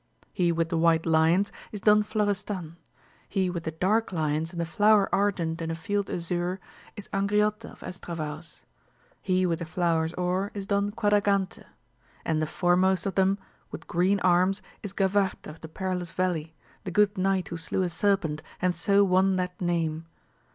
He with the white lions, is Don Flo restan ; he with the dark lions and the flower argent in a field azure, is Angriote of Estravaus ; he with the flowers or, is Don Quadragante ; and the foremost of them with green arms, is Gavarte of the perilous valley, the good knight who slew a serpent, and so won that name.